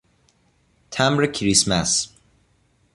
تمبر کریسمس